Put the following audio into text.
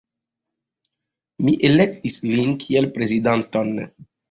Mi elektis lin kiel prezidanton.